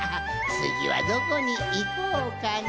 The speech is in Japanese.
つぎはどこにいこうかの。